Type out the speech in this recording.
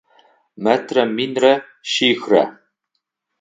Метрэ минрэ шъихрэ.